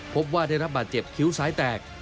พบว่าได้รับบาดเจ็บคิ้วซ้ายแตก